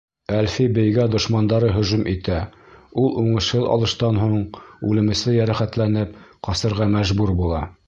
Әлфи бейгә дошмандары һөжүм итә, ул уңышһыҙ алыштан һуң, үлемесле йәрәхәтләнеп, ҡасырға мәжбүр була.